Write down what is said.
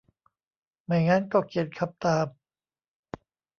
ไม่งั้นก็เขียนคำตาม